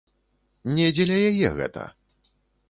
Не дзеля яе гэта.